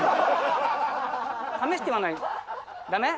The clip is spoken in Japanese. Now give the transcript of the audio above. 試してはない駄目？